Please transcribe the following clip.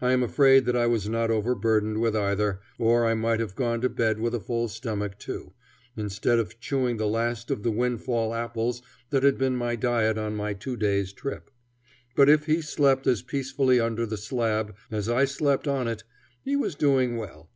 I am afraid that I was not overburdened with either, or I might have gone to bed with a full stomach too, instead of chewing the last of the windfall apples that had been my diet on my two days' trip; but if he slept as peacefully under the slab as I slept on it, he was doing well.